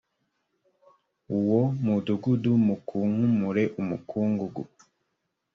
uwo mudugudu mukunkumure umukungugu